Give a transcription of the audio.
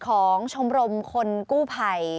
ของชมรมคนกู้ภัย